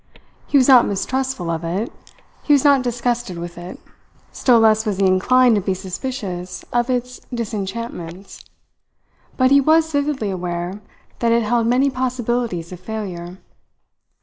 He was not mistrustful of it, he was not disgusted with it, still less was he inclined to be suspicious of its disenchantments; but he was vividly aware that it held many possibilities of failure.